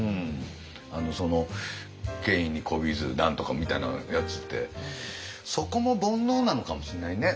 その権威にこびず何とかみたいなやつってそこも煩悩なのかもしれないね。